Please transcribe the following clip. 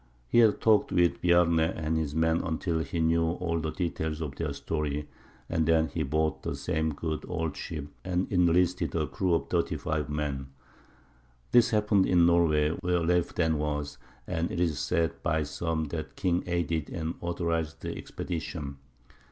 He had talked with Bjarne and his men until he knew all the details of their story, and then he bought the same good old ship, and enlisted a crew of thirty five men. This happened in Norway, where Leif then was, and it is said by some that the king aided and authorized the expedition.